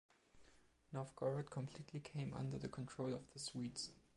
Novgorod completely came under the control of the Swedes.